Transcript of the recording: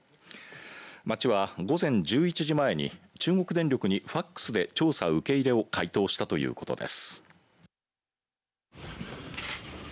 町は午前１１時前に中国電力にファックスで調査受け入れを回答したということです。